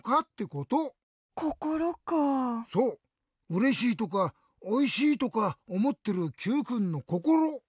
「うれしい」とか「おいしい」とかおもってるＱくんのこころ。